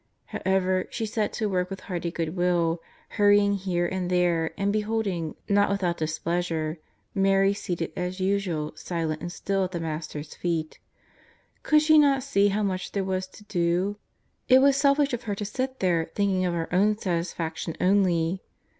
However, she set to work with hearty good will, hurrying here and there, and beholding, not without displeasure, Mary seated as usual silent and still at the Master's feet. Could she not see how much there was to do ? It was selfish of her to sit there thinking of her own satisfaction only.